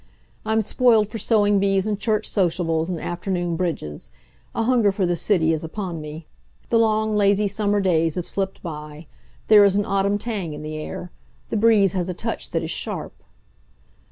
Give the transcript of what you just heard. I'm spoiled for sewing bees and church sociables and afternoon bridges. A hunger for the city is upon me. The long, lazy summer days have slipped by. There is an autumn tang in the air. The breeze has a touch that is sharp.